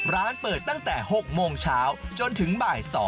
ร้านเปิดตั้งแต่๖โมงเช้าจนถึงบ่าย๒